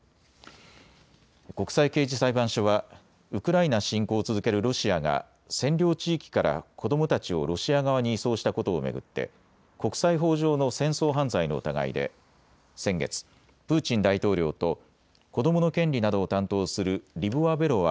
国際刑事裁判所はウクライナ侵攻を続けるロシアが占領地域から子どもたちをロシア側に移送したことを巡って国際法上の戦争犯罪の疑いで先月、プーチン大統領と子どもの権利などを担当するリボワベロワ